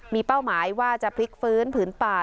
มีเป้าหมายว่าจะพลิกฟื้นผืนป่า